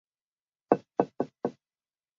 这可能是导致黑死病在欧洲蔓延的原因之一。